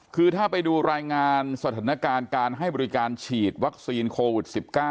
คือถ้าไปดูรายงานสถานการณ์การให้บริการฉีดวัคซีนโควิด๑๙